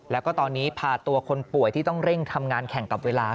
แล้วก็ตอนนี้พาตัวคนป่วยที่ต้องเร่งทำงานแข่งกับเวลา